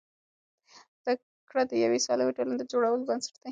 زده کړه د یوې سالمې ټولنې د جوړولو بنسټ دی.